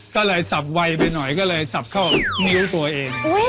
ก็เลยสับไวไปหน่อยก็เลยสับเข้านิ้วตัวเอง